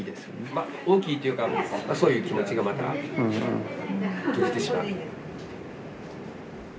まあ大きいというかそういう気持ちがまた閉じてしまった。